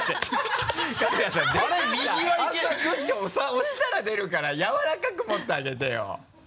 押したら出るからやわらかく持ってあげてよ。